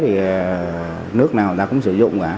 thì nước nào người ta cũng sử dụng cả